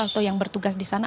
atau yang bertugas di sana